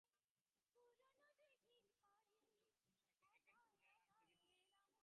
আপনার জন্যে এক প্যাকেট সিগারেট আনতে গিয়েছিলাম।